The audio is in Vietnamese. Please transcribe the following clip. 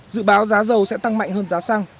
dự báo giá dầu sẽ tăng mạnh hơn giá xăng